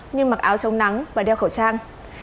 như mặc áo chống nắng và đeo khẩu trang